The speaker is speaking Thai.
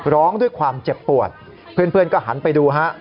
ร้องด้วยความเจ็บปวดเพื่อนก็หันไปดูฮะ